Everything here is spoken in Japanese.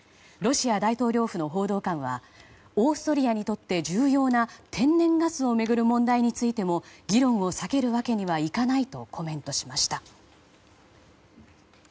ロシア大統領府の報道官はオーストリアにとって重要な天然ガスを巡る問題についても議論を避けるわけにはいかないとコメントしました。